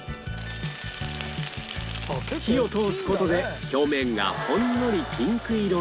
火を通す事で表面がほんのりピンク色に